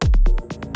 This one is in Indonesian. aku mau ke rumah